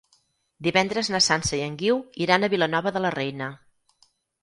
Divendres na Sança i en Guiu iran a Vilanova de la Reina.